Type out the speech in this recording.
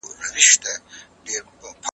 بس په پزه به پېزوان وړي په پېغور کي